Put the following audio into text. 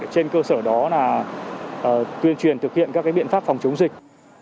trên cơ sở đó là tuyên truyền thực hiện các biện pháp phòng chống dịch